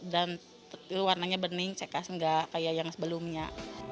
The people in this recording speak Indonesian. dan warnanya bening cekas gak kayak yang sebelumnya